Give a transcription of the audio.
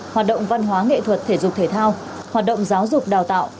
hoạt động văn hóa nghệ thuật thể dục thể thao hoạt động giáo dục đào tạo